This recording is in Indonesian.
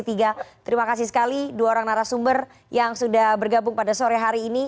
terima kasih sekali dua orang narasumber yang sudah bergabung pada sore hari ini